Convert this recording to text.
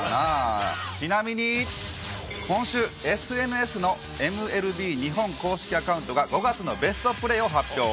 ちなみに今週、ＳＮＳのＭＬＢ日本公式アカウントが５月のベストプレーを発表。